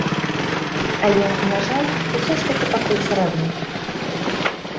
Але, на жаль, усё ж такі пакуль срэбны.